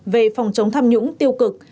về phòng chống tham nhũng tiêu cực